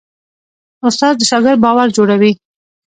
استاد د شاګرد باور جوړوي.